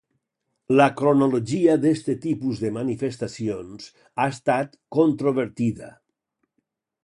La cronologia d'este tipus de manifestacions ha estat controvertida.